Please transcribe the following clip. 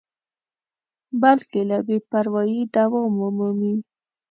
بلکې که بې پروایي دوام ومومي.